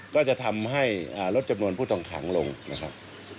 ก็จะทำให้ลดจำนวนผู้ต้องขังลงนะครับ